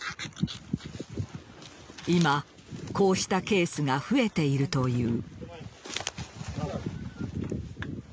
今、こうしたケースが増えているという。